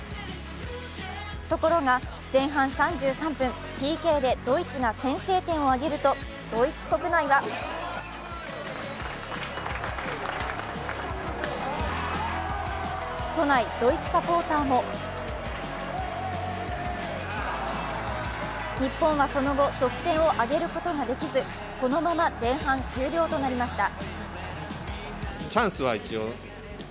ところが前半３３分、ＰＫでドイツが先制点を挙げると、ドイツ国内は都内・ドイツサポーターも日本はその後、得点を挙げることができずこのまま前半終了となりました。